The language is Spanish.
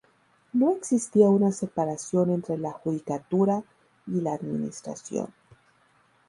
No existía una separación entre la judicatura y la administración.